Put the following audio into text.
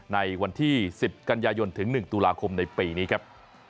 ในวันที่๑๐กันยายนถึง๑ตุลาคมในปีนี้ครับ